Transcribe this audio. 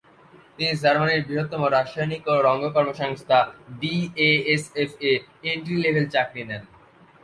তিনি জার্মানির বৃহত্তম রাসায়নিক ও রঙ্গকর্ম সংস্থা বিএএসএফ-এ এন্ট্রি-লেভেল চাকরী নেন।